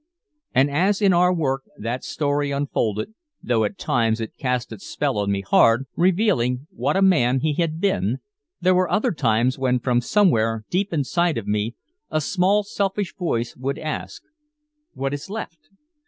And as in our work that story unfolded, though at times it cast its spell on me hard, revealing what a man he had been, there were other times when from somewhere deep inside of me a small selfish voice would ask: "What is left?